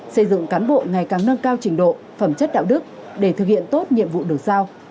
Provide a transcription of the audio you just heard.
xây dựng cán bộ ngày càng nâng cao trình độ phẩm chất đạo đức để thực hiện tốt nhiệm vụ được sao